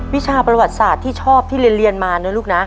วิชาประวัติศาสตร์ที่ชอบที่เรียนมานะลูกนะ